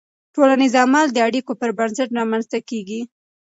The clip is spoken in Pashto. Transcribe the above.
ټولنیز عمل د اړیکو پر بنسټ رامنځته کېږي.